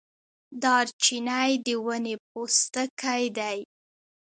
دارچینی د ونې پوستکی دی